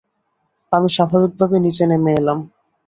আমি স্বাভাবিকভাবে নিচে নেমে এলাম।